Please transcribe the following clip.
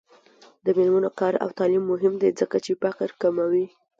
د میرمنو کار او تعلیم مهم دی ځکه چې فقر کموي.